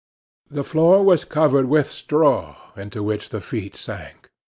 The floor was covered with straw, into which the feet sank.